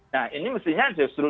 nah ini mestinya justru